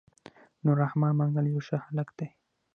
نور رحمن منګل يو ښه هلک دی.